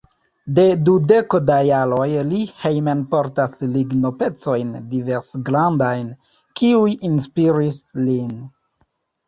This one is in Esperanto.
De dudeko da jaroj li hejmenportas lignopecojn diversgrandajn, kiuj inspiris lin.